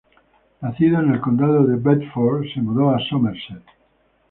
Nacido en el Condado de Bedford, se mudó a Somerset.